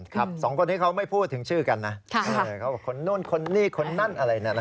ครับสองคนที่เขาไม่พูดถึงชื่อกันนะครับคนนู้นคนนี่คนนั้นอะไรนะครับ